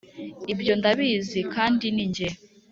Ibyo ndabizi kandi ni jye